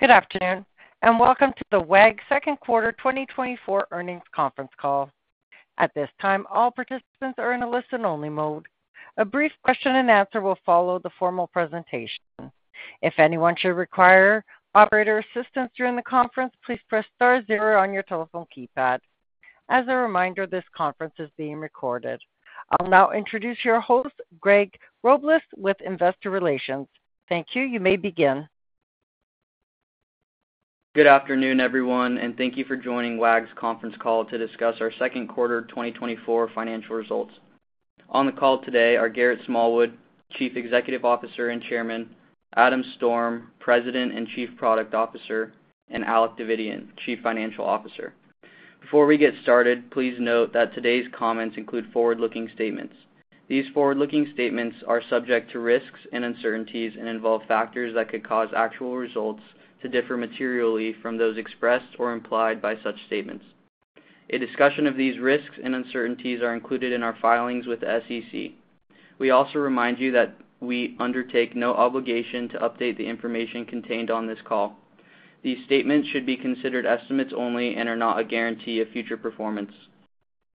Good afternoon, and welcome to the Wag! second quarter 2024 earnings conference call. At this time, all participants are in a listen-only mode. A brief question and answer will follow the formal presentation. If anyone should require operator assistance during the conference, please press star zero on your telephone keypad. As a reminder, this conference is being recorded. I'll now introduce your host, Greg Robles, with Investor Relations. Thank you. You may begin. Good afternoon, everyone, and thank you for joining Wag!'s conference call to discuss our second quarter 2024 financial results. On the call today are Garrett Smallwood, Chief Executive Officer and Chairman, Adam Storm, President and Chief Product Officer, and Alec Davidian, Chief Financial Officer. Before we get started, please note that today's comments include forward-looking statements. These forward-looking statements are subject to risks and uncertainties and involve factors that could cause actual results to differ materially from those expressed or implied by such statements. A discussion of these risks and uncertainties are included in our filings with the SEC. We also remind you that we undertake no obligation to update the information contained on this call. These statements should be considered estimates only and are not a guarantee of future performance.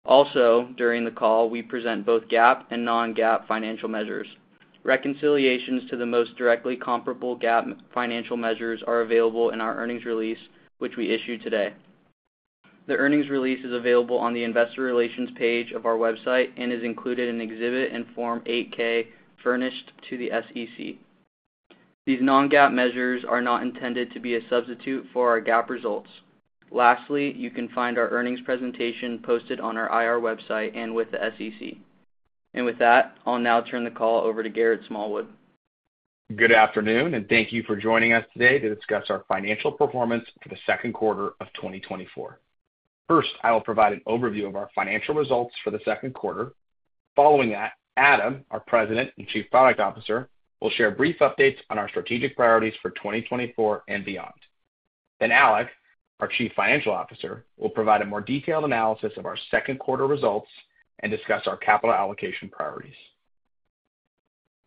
Also, during the call, we present both GAAP and non-GAAP financial measures. Reconciliations to the most directly comparable GAAP financial measures are available in our earnings release, which we issued today. The earnings release is available on the Investor Relations page of our website and is included in Exhibit and Form 8-K, furnished to the SEC. These non-GAAP measures are not intended to be a substitute for our GAAP results. Lastly, you can find our earnings presentation posted on our IR website and with the SEC. And with that, I'll now turn the call over to Garrett Smallwood. Good afternoon, and thank you for joining us today to discuss our financial performance for the second quarter of 2024. First, I will provide an overview of our financial results for the second quarter. Following that, Adam, our President and Chief Product Officer, will share brief updates on our strategic priorities for 2024 and beyond. Then Alec, our Chief Financial Officer, will provide a more detailed analysis of our second quarter results and discuss our capital allocation priorities.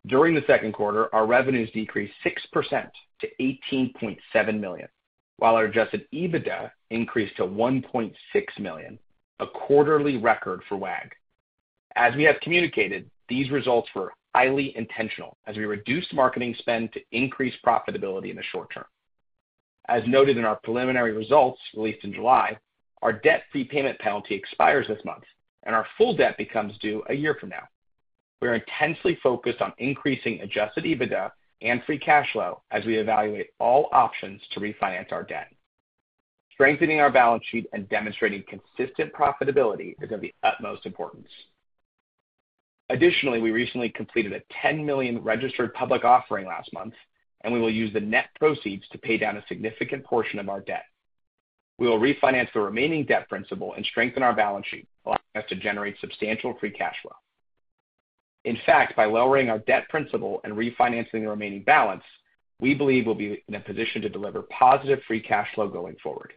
During the second quarter, our revenues decreased 6% to $18.7 million, while our adjusted EBITDA increased to $1.6 million, a quarterly record for Wag!. As we have communicated, these results were highly intentional as we reduced marketing spend to increase profitability in the short term. As noted in our preliminary results released in July, our debt prepayment penalty expires this month, and our full debt becomes due a year from now. We are intensely focused on increasing adjusted EBITDA and free cash flow as we evaluate all options to refinance our debt. Strengthening our balance sheet and demonstrating consistent profitability is of the utmost importance. Additionally, we recently completed a $10 million registered public offering last month, and we will use the net proceeds to pay down a significant portion of our debt. We will refinance the remaining debt principal and strengthen our balance sheet, allowing us to generate substantial free cash flow. In fact, by lowering our debt principal and refinancing the remaining balance, we believe we'll be in a position to deliver positive free cash flow going forward.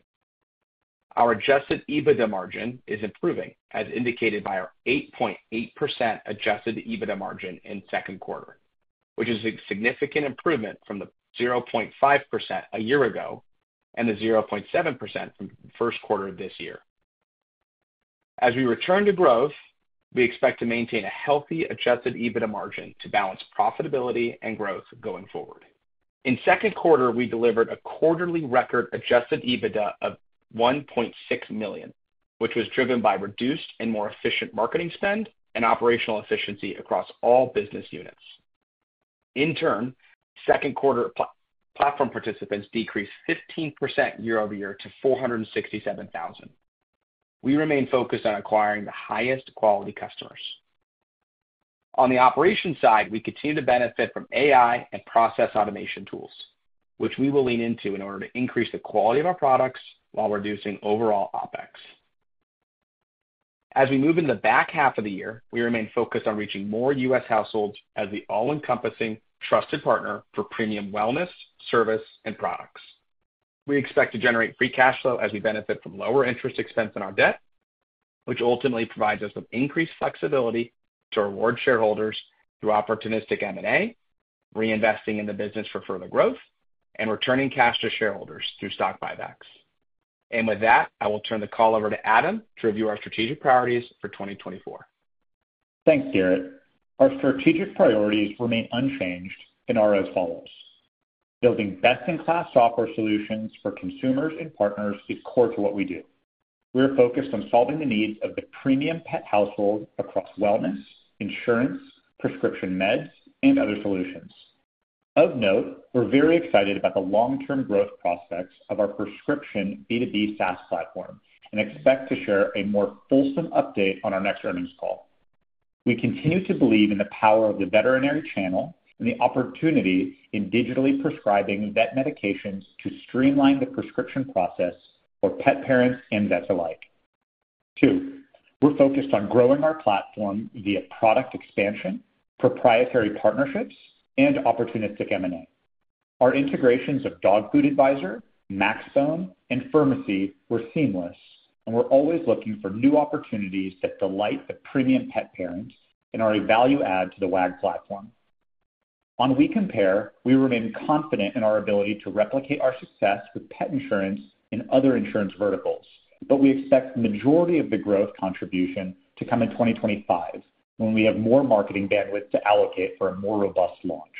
Our adjusted EBITDA margin is improving, as indicated by our 8.8% adjusted EBITDA margin in second quarter, which is a significant improvement from the 0.5% a year ago and the 0.7% from the first quarter of this year. As we return to growth, we expect to maintain a healthy adjusted EBITDA margin to balance profitability and growth going forward. In second quarter, we delivered a quarterly record adjusted EBITDA of $1.6 million, which was driven by reduced and more efficient marketing spend and operational efficiency across all business units. In turn, second quarter platform participants decreased 15% year-over-year to 467,000. We remain focused on acquiring the highest quality customers. On the operation side, we continue to benefit from AI and process automation tools, which we will lean into in order to increase the quality of our products while reducing overall OpEx. As we move in the back half of the year, we remain focused on reaching more U.S. households as the all-encompassing, trusted partner for premium wellness, service, and products. We expect to generate free cash flow as we benefit from lower interest expense on our debt, which ultimately provides us with increased flexibility to reward shareholders through opportunistic M&A, reinvesting in the business for further growth, and returning cash to shareholders through stock buybacks. With that, I will turn the call over to Adam to review our strategic priorities for 2024. Thanks, Garrett. Our strategic priorities remain unchanged and are as follows: building best-in-class software solutions for consumers and partners is core to what we do. We're focused on solving the needs of the premium pet household across wellness, insurance, prescription meds, and other solutions. Of note, we're very excited about the long-term growth prospects of our prescription B2B SaaS platform and expect to share a more fulsome update on our next earnings call. We continue to believe in the power of the veterinary channel and the opportunity in digitally prescribing vet medications to streamline the prescription process for pet parents and vets alike. Two, we're focused on growing our platform via product expansion, proprietary partnerships, and opportunistic M&A. Our integrations of Dog Food Advisor, Maxbone, and Furmacy were seamless, and we're always looking for new opportunities that delight the premium pet parents and are a value add to the Wag! platform. On WeCompare, we remain confident in our ability to replicate our success with pet insurance and other insurance verticals, but we expect majority of the growth contribution to come in 2025, when we have more marketing bandwidth to allocate for a more robust launch.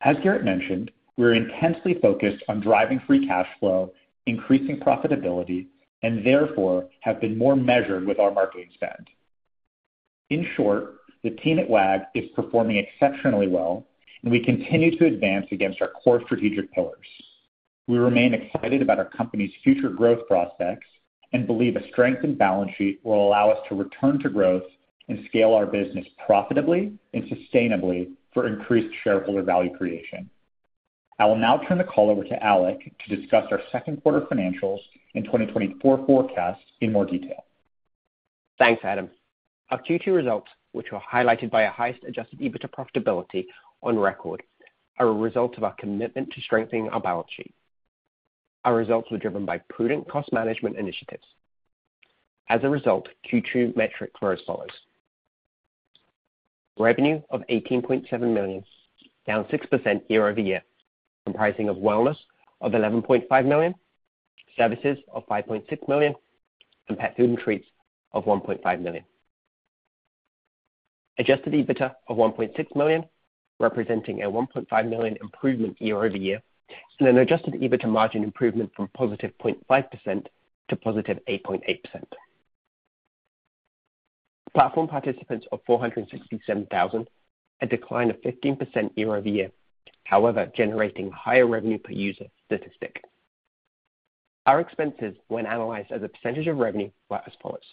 As Garrett mentioned, we're intensely focused on driving free cash flow, increasing profitability, and therefore have been more measured with our marketing spend. In short, the team at Wag! is performing exceptionally well, and we continue to advance against our core strategic pillars. We remain excited about our company's future growth prospects and believe a strengthened balance sheet will allow us to return to growth and scale our business profitably and sustainably for increased shareholder value creation. I will now turn the call over to Alec to discuss our second quarter financials and 2024 forecast in more detail. Thanks, Adam. Our Q2 results, which were highlighted by our highest adjusted EBITDA profitability on record, are a result of our commitment to strengthening our balance sheet. Our results were driven by prudent cost management initiatives. As a result, Q2 metric growth follows: Revenue of $18.7 million, down 6% year-over-year, comprising of wellness of $11.5 million, services of $5.6 million, and pet food and treats of $1.5 million. Adjusted EBITDA of $1.6 million, representing a $1.5 million improvement year-over-year, and an adjusted EBITDA margin improvement from +0.5% to +8.8%. Platform participants of 467,000, a decline of 15% year-over-year, however, generating higher revenue per user statistic. Our expenses when analyzed as a percentage of revenue, were as follows: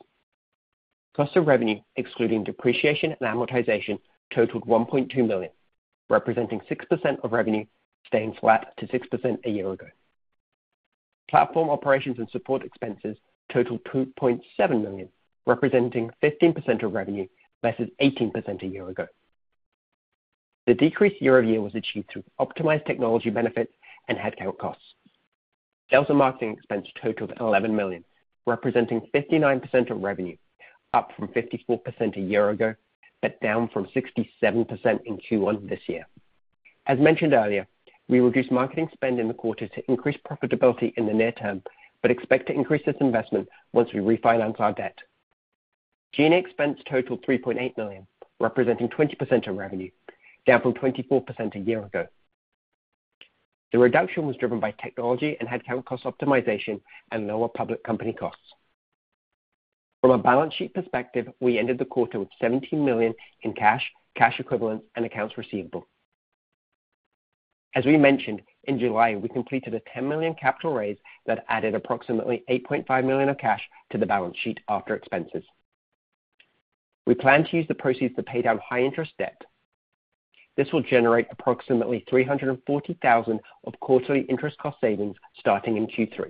Cost of revenue, excluding depreciation and amortization, totaled $1.2 million, representing 6% of revenue, staying flat to 6% a year ago. Platform operations and support expenses totaled $2.7 million, representing 15% of revenue, versus 18% a year ago. The decrease year-over-year was achieved through optimized technology benefits and headcount costs. Sales and marketing expense totaled $11 million, representing 59% of revenue, up from 54% a year ago, but down from 67% in Q1 this year. As mentioned earlier, we reduced marketing spend in the quarter to increase profitability in the near term, but expect to increase this investment once we refinance our debt. G&A expense totaled $3.8 million, representing 20% of revenue, down from 24% a year ago. The reduction was driven by technology and headcount cost optimization and lower public company costs. From a balance sheet perspective, we ended the quarter with $17 million in cash, cash equivalents, and accounts receivable. As we mentioned, in July, we completed a $10 million capital raise that added approximately $8.5 million of cash to the balance sheet after expenses. We plan to use the proceeds to pay down high interest debt. This will generate approximately $340,000 of quarterly interest cost savings starting in Q3.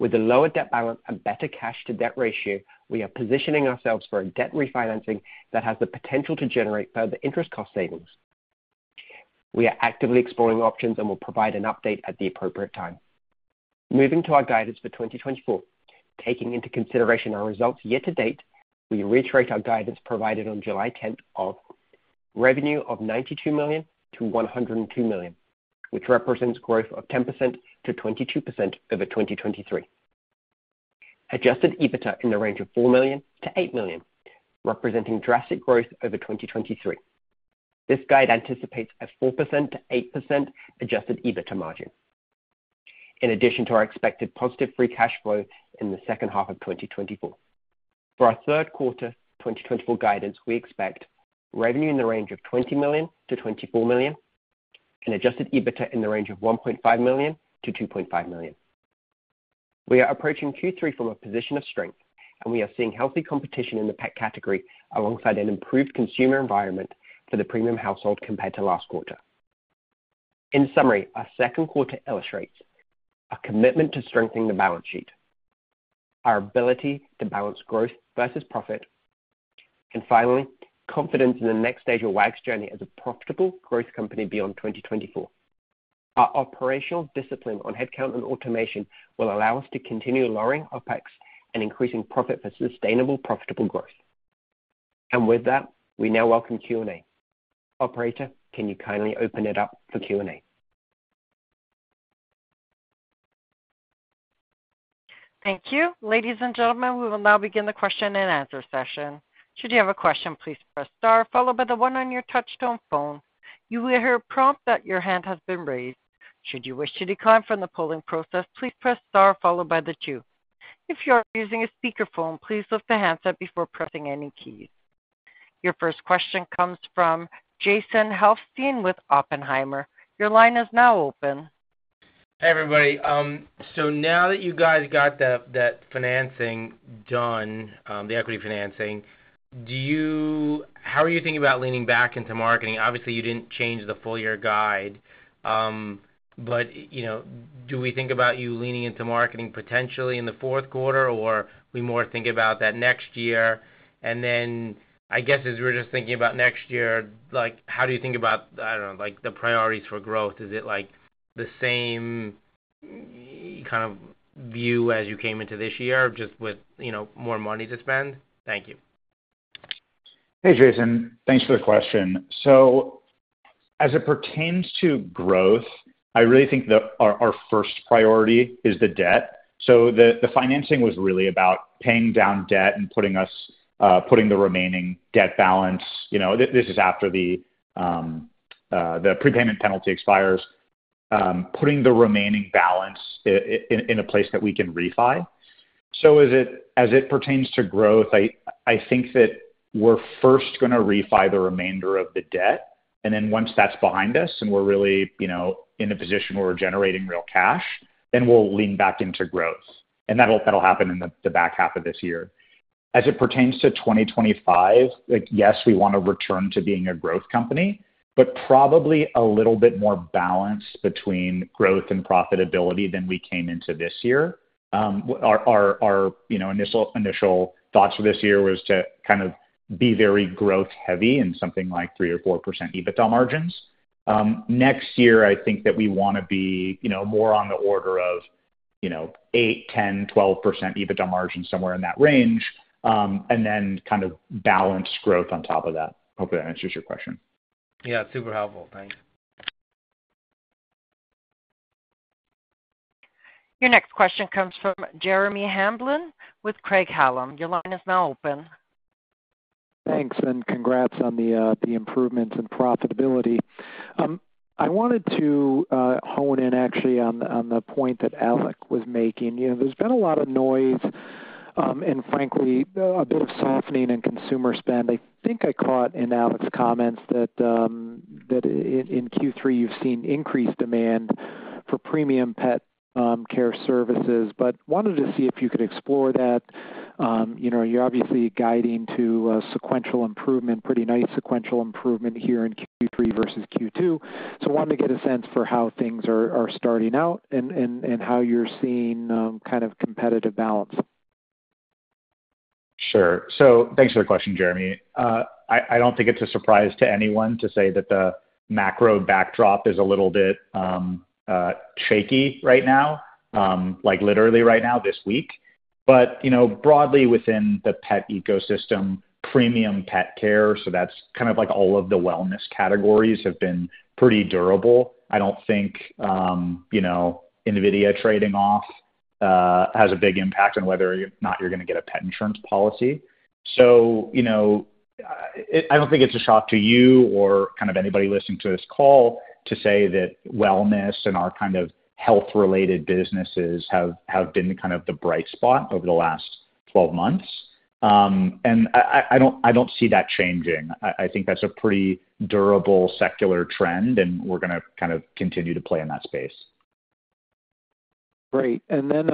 With a lower debt balance and better cash to debt ratio, we are positioning ourselves for a debt refinancing that has the potential to generate further interest cost savings. We are actively exploring options and will provide an update at the appropriate time. Moving to our guidance for 2024. Taking into consideration our results yet to date, we reiterate our guidance provided on July 10 of revenue of $92 million-$102 million, which represents growth of 10%-22% over 2023. Adjusted EBITDA in the range of $4 million-$8 million, representing drastic growth over 2023. This guide anticipates a 4%-8% adjusted EBITDA margin. In addition to our expected positive free cash flow in the second half of 2024. For our third quarter 2024 guidance, we expect revenue in the range of $20 million-$24 million and adjusted EBITDA in the range of $1.5 million-$2.5 million. We are approaching Q3 from a position of strength, and we are seeing healthy competition in the pet category, alongside an improved consumer environment for the premium household compared to last quarter. In summary, our second quarter illustrates a commitment to strengthening the balance sheet, our ability to balance growth versus profit, and finally, confidence in the next stage of Wag's journey as a profitable growth company beyond 2024. Our operational discipline on headcount and automation will allow us to continue lowering OpEx and increasing profit for sustainable, profitable growth. With that, we now welcome Q&A. Operator, can you kindly open it up for Q&A? Thank you. Ladies and gentlemen, we will now begin the question and answer session. Should you have a question, please press star followed by the one on your touchtone phone. You will hear a prompt that your hand has been raised. Should you wish to decline from the polling process, please press star followed by the two. If you are using a speakerphone, please lift the handset before pressing any keys. Your first question comes from Jason Helfstein with Oppenheimer. Your line is now open. Hey, everybody. So now that you guys got that, that financing done, the equity financing, do you, how are you thinking about leaning back into marketing? Obviously, you didn't change the full year guide, but, you know, do we think about you leaning into marketing potentially in the fourth quarter, or we more think about that next year? And then, I guess, as we're just thinking about next year, like, how do you think about, I don't know, like, the priorities for growth? Is it like the same...... kind of view as you came into this year, just with, you know, more money to spend? Thank you. Hey, Jason. Thanks for the question. So as it pertains to growth, I really think that our first priority is the debt. So the financing was really about paying down debt and putting us putting the remaining debt balance. You know, this is after the prepayment penalty expires, putting the remaining balance in a place that we can refi. So as it pertains to growth, I think that we're first gonna refi the remainder of the debt, and then once that's behind us and we're really, you know, in a position where we're generating real cash, then we'll lean back into growth. And that'll happen in the back half of this year. As it pertains to 2025, like, yes, we wanna return to being a growth company, but probably a little bit more balanced between growth and profitability than we came into this year. Our you know initial thoughts for this year was to kind of be very growth heavy and something like 3% or 4% EBITDA margins. Next year, I think that we wanna be, you know, more on the order of, you know, 8%, 10%, 12% EBITDA margin, somewhere in that range, and then kind of balance growth on top of that. Hope that answers your question. Yeah, super helpful. Thanks. Your next question comes from Jeremy Hamblin with Craig-Hallum. Your line is now open. Thanks, and congrats on the improvements in profitability. I wanted to hone in actually on the point that Alec was making. You know, there's been a lot of noise, and frankly, a bit of softening in consumer spend. I think I caught in Alec's comments that in Q3, you've seen increased demand for premium pet care services, but wanted to see if you could explore that. You know, you're obviously guiding to a sequential improvement, pretty nice sequential improvement here in Q3 versus Q2. So wanted to get a sense for how things are starting out and how you're seeing kind of competitive balance. Sure. So thanks for your question, Jeremy. I don't think it's a surprise to anyone to say that the macro backdrop is a little bit shaky right now, like literally right now, this week. But, you know, broadly within the pet ecosystem, premium pet care, so that's kind of like all of the wellness categories, have been pretty durable. I don't think you know, NVIDIA trading off has a big impact on whether or not you're gonna get a pet insurance policy. So, you know, I don't think it's a shock to you or kind of anybody listening to this call to say that wellness and our kind of health-related businesses have been kind of the bright spot over the last 12 months. And I don't see that changing. I think that's a pretty durable secular trend, and we're gonna kind of continue to play in that space. Great. And then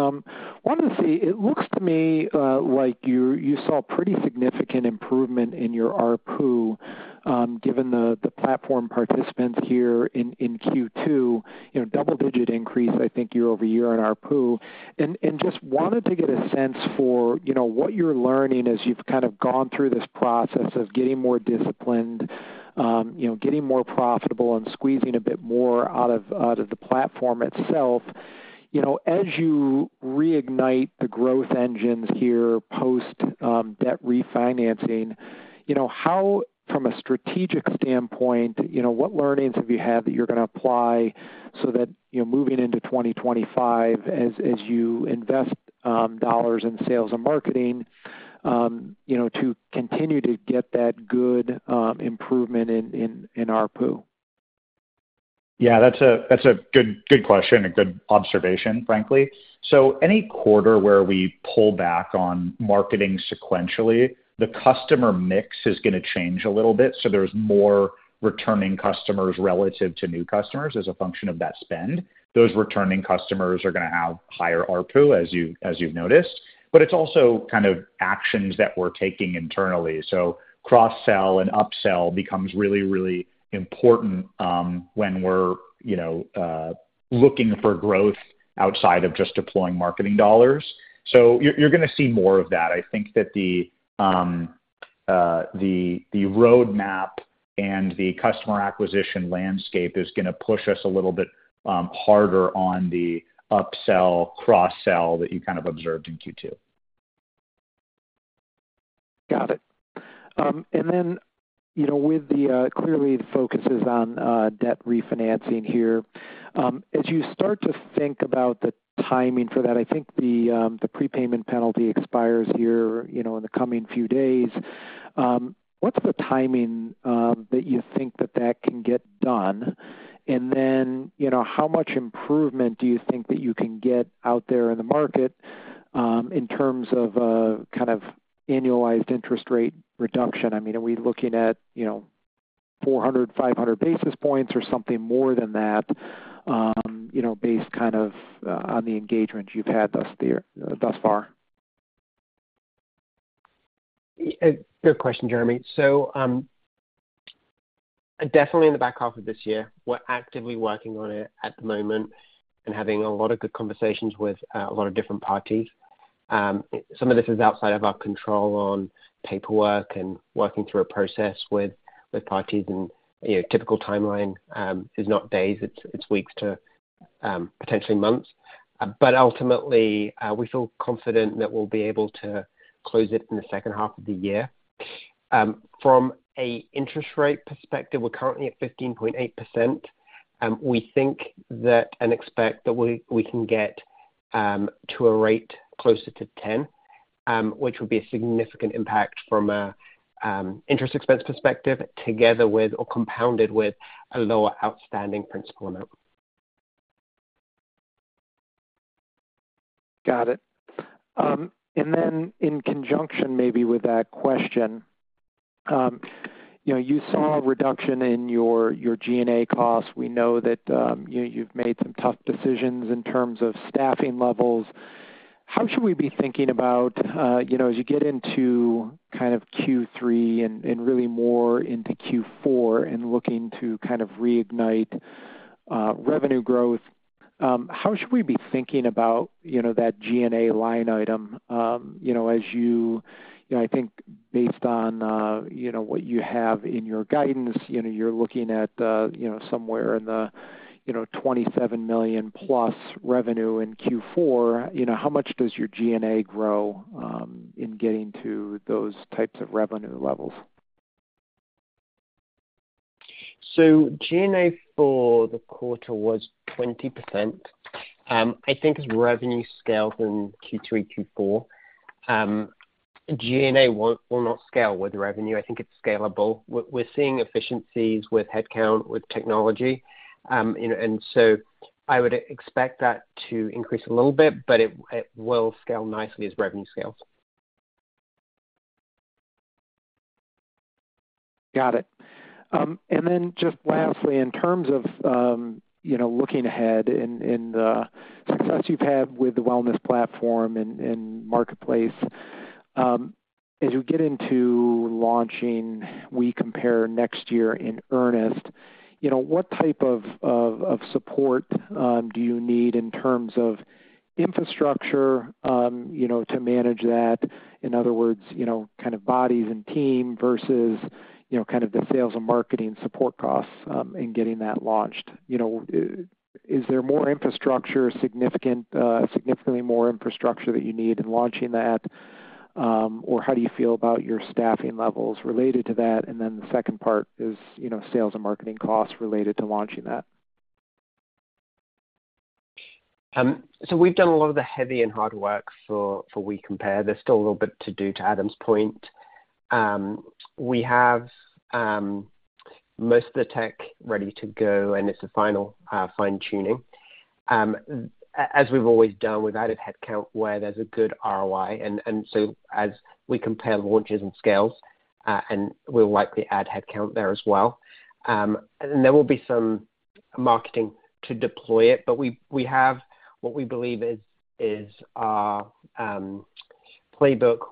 wanted to see, it looks to me like you saw pretty significant improvement in your ARPU, given the platform participants here in Q2, you know, double-digit increase, I think year-over-year on ARPU. And just wanted to get a sense for, you know, what you're learning as you've kind of gone through this process of getting more disciplined, you know, getting more profitable and squeezing a bit more out of the platform itself. You know, as you reignite the growth engines here, post debt refinancing, you know, how, from a strategic standpoint, you know, what learnings have you had that you're gonna apply so that, you know, moving into 2025, as you invest dollars in sales and marketing, you know, to continue to get that good improvement in ARPU? Yeah, that's a, that's a good, good question and a good observation, frankly. So any quarter where we pull back on marketing sequentially, the customer mix is gonna change a little bit, so there's more returning customers relative to new customers as a function of that spend. Those returning customers are gonna have higher ARPU, as you, as you've noticed. But it's also kind of actions that we're taking internally. So cross-sell and upsell becomes really, really important, when we're, you know, looking for growth outside of just deploying marketing dollars. So you're, you're gonna see more of that. I think that the, the roadmap and the customer acquisition landscape is gonna push us a little bit, harder on the upsell, cross-sell that you kind of observed in Q2. Got it. And then, you know, with the, clearly the focuses on, debt refinancing here, as you start to think about the timing for that, I think the, the prepayment penalty expires here, you know, in the coming few days. What's the timing, that you think that that can get done? And then, you know, how much improvement do you think that you can get out there in the market, in terms of, kind of annualized interest rate reduction? I mean, are we looking at, you know, 400-500 basis points or something more than that, you know, based kind of, on the engagement you've had this year, thus far? Good question, Jeremy. So, definitely in the back half of this year, we're actively working on it at the moment and having a lot of good conversations with a lot of different parties. ... Some of this is outside of our control on paperwork and working through a process with, with parties, and, you know, typical timeline is not days, it's, it's weeks to, potentially months. But ultimately, we feel confident that we'll be able to close it in the second half of the year. From an interest rate perspective, we're currently at 15.8%, and we think that, and expect that we, we can get, to a rate closer to 10%, which would be a significant impact from a, interest expense perspective, together with, or compounded with a lower outstanding principal amount. Got it. And then in conjunction, maybe with that question, you know, you saw a reduction in your G&A costs. We know that, you, you've made some tough decisions in terms of staffing levels. How should we be thinking about, you know, as you get into kind of Q3 and really more into Q4 and looking to kind of reignite, revenue growth, how should we be thinking about, you know, that G&A line item? You know, as you, I think based on, you know, what you have in your guidance, you know, you're looking at, you know, somewhere in the, you know, $27 million+ revenue in Q4. You know, how much does your G&A grow, in getting to those types of revenue levels? G&A for the quarter was 20%. I think as revenue scales in Q3, Q4, G&A will not scale with revenue. I think it's scalable. We're seeing efficiencies with headcount, with technology, you know, and so I would expect that to increase a little bit, but it will scale nicely as revenue scales. Got it. And then just lastly, in terms of, you know, looking ahead and success you've had with the wellness platform and marketplace, as you get into launching WeCompare next year in earnest, you know, what type of support do you need in terms of infrastructure, you know, to manage that? In other words, you know, kind of bodies and team versus, you know, kind of the sales and marketing support costs in getting that launched. You know, is there more infrastructure, significant, significantly more infrastructure that you need in launching that? Or how do you feel about your staffing levels related to that? And then the second part is, you know, sales and marketing costs related to launching that. So we've done a lot of the heavy and hard work for WeCompare. There's still a little bit to do, to Adam's point. We have most of the tech ready to go, and it's a final fine-tuning. As we've always done, we've added headcount where there's a good ROI, and so as WeCompare launches and scales, and we'll likely add headcount there as well. And there will be some marketing to deploy it, but we have what we believe is playbook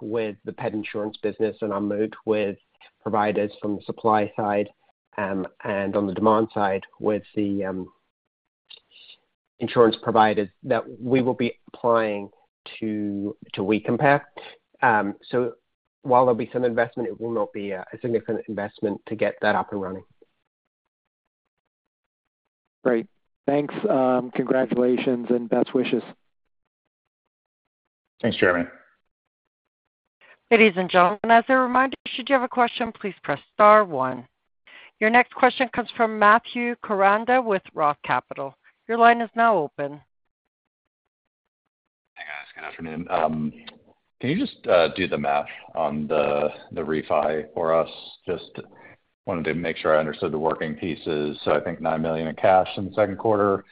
with the pet insurance business and are moved with providers from the supply side, and on the demand side, with the insurance providers that we will be applying to WeCompare. So while there'll be some investment, it will not be a significant investment to get that up and running. Great. Thanks, congratulations and best wishes. Thanks, Jeremy. Ladies and gentlemen, as a reminder, should you have a question, please press star one. Your next question comes from Matthew Koranda with Roth Capital. Your line is now open. Hey, guys. Good afternoon. Can you just do the math on the refi for us? Just wanted to make sure I understood the working pieces. So I think $9 million in cash in the second quarter,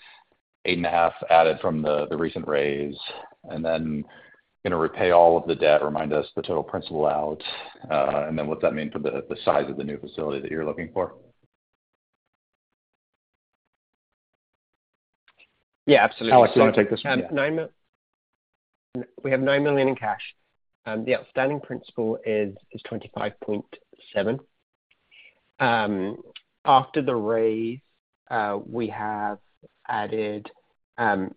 $8.5 million added from the recent raise, and then, you know, repay all of the debt. Remind us the total principal out, and then what that mean for the size of the new facility that you're looking for? Yeah, absolutely. Alec, do you want to take this one? We have $9 million in cash. The outstanding principal is $25.7 million. After the raise, we have added around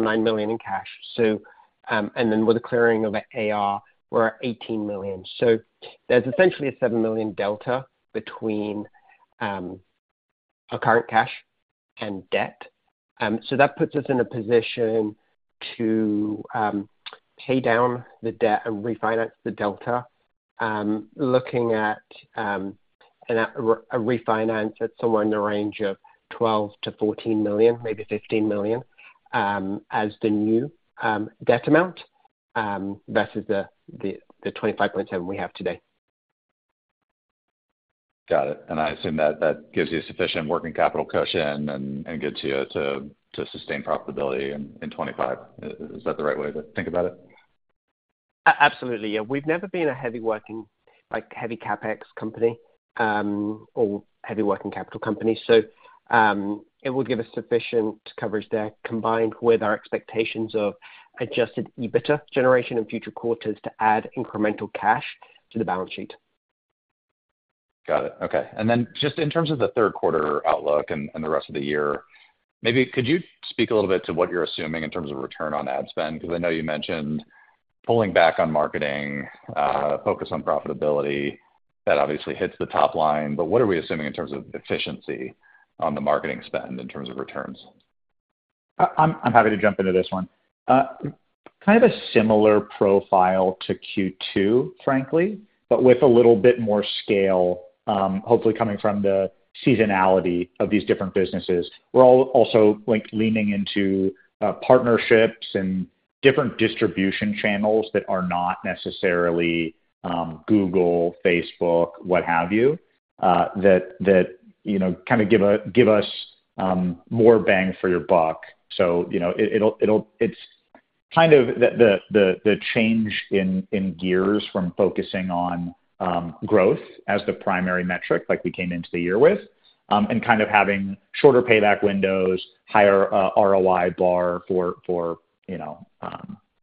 $9 million in cash. So, and then with the clearing of the AR, we're at $18 million. So there's essentially a $7 million delta between our current cash and debt. So that puts us in a position to pay down the debt and refinance the delta, looking at a refinance at somewhere in the range of $12 million-$14 million, maybe $15 million, as the new debt amount versus the $25.7 million we have today. Got it. And I assume that gives you sufficient working capital cushion and gets you to sustain profitability in 2025. Is that the right way to think about it? Absolutely, yeah. We've never been a heavy working, like, heavy CapEx company, or heavy working capital company. So, it will give us sufficient coverage there, combined with our expectations of Adjusted EBITDA generation in future quarters to add incremental cash to the balance sheet. ... Got it. Okay, and then just in terms of the third quarter outlook and, and the rest of the year, maybe could you speak a little bit to what you're assuming in terms of return on ad spend? Because I know you mentioned pulling back on marketing, focus on profitability. That obviously hits the top line, but what are we assuming in terms of efficiency on the marketing spend in terms of returns? I'm happy to jump into this one. Kind of a similar profile to Q2, frankly, but with a little bit more scale, hopefully coming from the seasonality of these different businesses. We're also, like, leaning into partnerships and different distribution channels that are not necessarily Google, Facebook, what have you, that you know kind of give us more bang for your buck. So, you know, it'll. It's kind of the change in gears from focusing on growth as the primary metric, like we came into the year with, and kind of having shorter payback windows, higher ROI bar for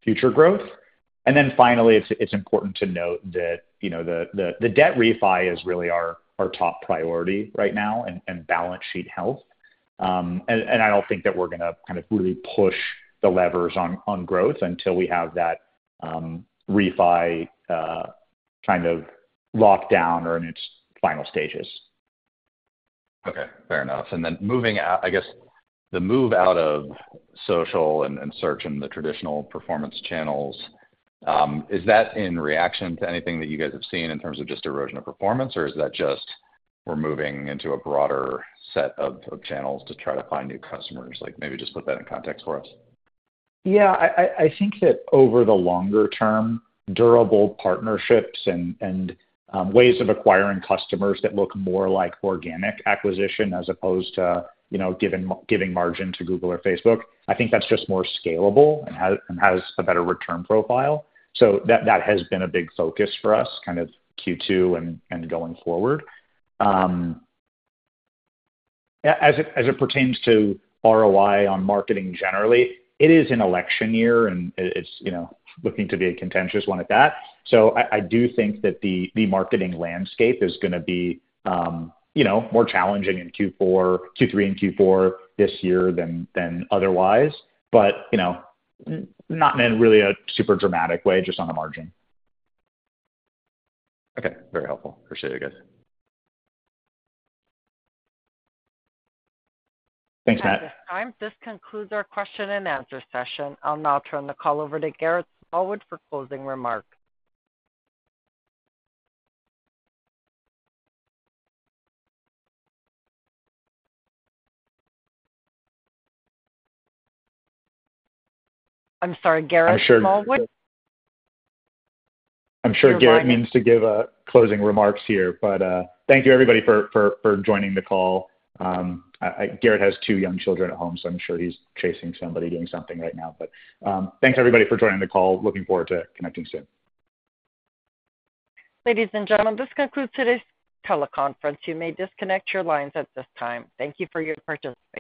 future growth. And then finally, it's important to note that, you know, the debt refi is really our top priority right now and balance sheet health. And I don't think that we're gonna kind of really push the levers on growth until we have that refi kind of locked down or in its final stages. Okay, fair enough. And then moving out, I guess, the move out of social and search and the traditional performance channels, is that in reaction to anything that you guys have seen in terms of just erosion of performance, or is that just we're moving into a broader set of channels to try to find new customers? Like, maybe just put that in context for us. Yeah, I think that over the longer term, durable partnerships and ways of acquiring customers that look more like organic acquisition as opposed to, you know, giving margin to Google or Facebook, I think that's just more scalable and has a better return profile. So that has been a big focus for us, kind of Q2 and going forward. As it pertains to ROI on marketing, generally, it is an election year, and it's, you know, looking to be a contentious one at that. So I do think that the marketing landscape is gonna be, you know, more challenging in Q3 and Q4 this year than otherwise. But, you know, not in really a super dramatic way, just on the margin. Okay, very helpful. Appreciate it, guys. Thanks, Matt. At this time, this concludes our question and answer session. I'll now turn the call over to Garrett Smallwood for closing remarks. I'm sorry, Garrett Smallwood? I'm sure Garrett means to give closing remarks here, but thank you, everybody, for joining the call. Garrett has two young children at home, so I'm sure he's chasing somebody, doing something right now. But thanks, everybody, for joining the call. Looking forward to connecting soon. Ladies and gentlemen, this concludes today's teleconference. You may disconnect your lines at this time. Thank you for your participation.